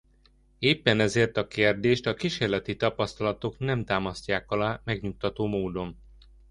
Éppen ezért a kérdést a kísérleti tapasztalatok nem támasztják alá megnyugtató módon.